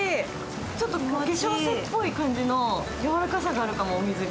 ちょっと化粧水っぽい感じのやわらかさがあるかも、お水が。